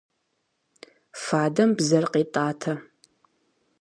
Фадэм бзэр къетӏатэ.